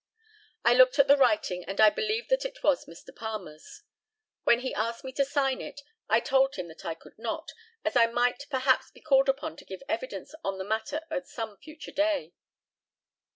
I looked at the writing, and I believed that it was Mr. Palmer's. When he asked me to sign it I told him that I could not, as I might perhaps be called upon to give evidence on the matter at some future day.